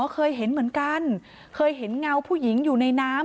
เคยเห็นเหมือนกันเคยเห็นเงาผู้หญิงอยู่ในน้ำ